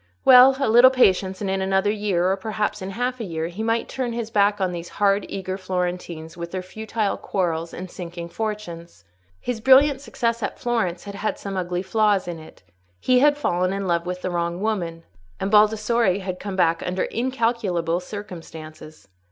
Well! a little patience, and in another year, or perhaps in half a year, he might turn his back on these hard, eager Florentines, with their futile quarrels and sinking fortunes. His brilliant success at Florence had had some ugly flaws in it: he had fallen in love with the wrong woman, and Baldassarre had come back under incalculable circumstances.